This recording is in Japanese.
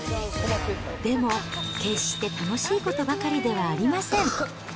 でも決して楽しいことばかりではありません。